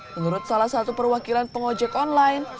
menurut salah satu perwakilan pengojek online